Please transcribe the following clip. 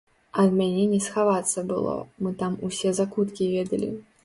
Ад мяне не схавацца было, мы там усе закуткі ведалі.